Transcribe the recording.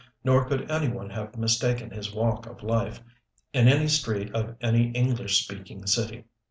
Nor could anyone have mistaken his walk of life, in any street of any English speaking city.